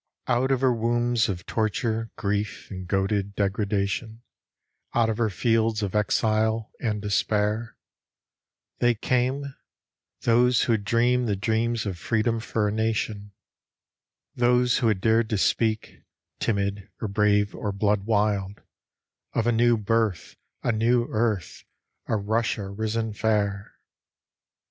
Out of her wombs of torture, grief, and goaded deg radation, Out of her fields of exile and despair, They came — those who had dreamed the dreams of freedom for a nation: 80 DELIVERANCE? 81 Those who had dared to speak, Timid or brave or blood wild, Of a new birth, a new earth, a Russia risen fair.